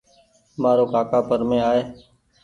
مآ رو ڪآڪآ پرمي آئي